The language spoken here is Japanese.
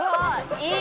いい！